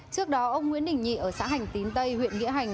trước đó ông nguyễn đình nhị ở xã hành tín tây huyện nghĩa hành